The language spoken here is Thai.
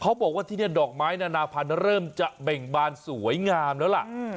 เขาบอกว่าที่นี่ดอกไม้นานาพันธุ์เริ่มจะเบ่งบานสวยงามแล้วล่ะ